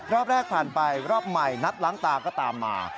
รอบแรกผ่านไปรอบใหม่นัดล้างตาก็ตามมา